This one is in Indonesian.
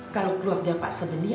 kalau keluar gapak sebentar